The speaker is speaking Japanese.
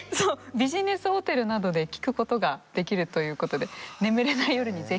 ビジネスホテルなどで聴くことができるということで眠れない夜に是非。